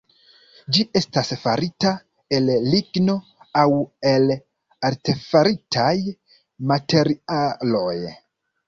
Ĝi estas farita el ligno aŭ el artefaritaj materialoj.